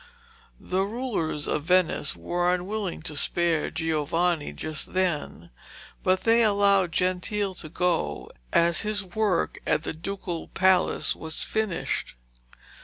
The rulers of Venice were unwilling to spare Giovanni just then, but they allowed Gentile to go, as his work at the Ducal Palace was finished.